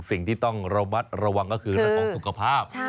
สิ่งที่ต้องระวังก็คือนักของสุขภาพ